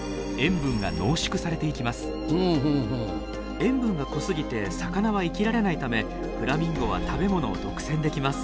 塩分が濃すぎて魚は生きられないためフラミンゴは食べ物を独占できます。